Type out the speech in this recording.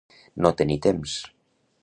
No tenir temps.